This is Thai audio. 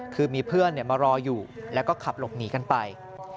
คือมีเพื่อนมารออยู่แล้วก็ขับหลบหนีกันไป